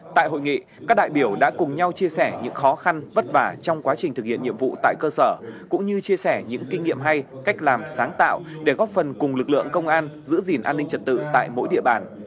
tại hội nghị các đại biểu đã cùng nhau chia sẻ những khó khăn vất vả trong quá trình thực hiện nhiệm vụ tại cơ sở cũng như chia sẻ những kinh nghiệm hay cách làm sáng tạo để góp phần cùng lực lượng công an giữ gìn an ninh trật tự tại mỗi địa bàn